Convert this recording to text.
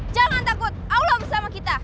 jangan takut allah bersama kita